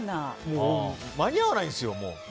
間に合わないんですよ、もう。